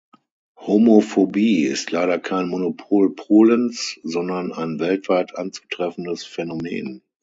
Homophobie ist leider kein Monopol Polens, sondern ein weltweit anzutreffendes Phänomen.